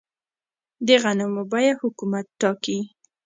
د غنمو بیه حکومت ټاکي؟